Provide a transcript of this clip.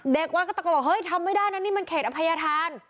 เด็กวัดก็ตะโกนบอกเฮ้ยทำไม่ได้นะนี่มันเขตอภัยธาน